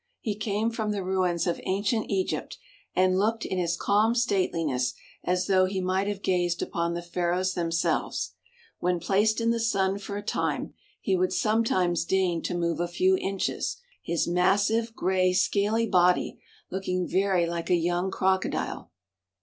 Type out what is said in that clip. He came from the ruins of ancient Egypt, and looked in his calm stateliness as though he might have gazed upon the Pharaohs themselves. When placed in the sun for a time he would sometimes deign to move a few inches, his massive, grey, scaly body looking very like a young crocodile.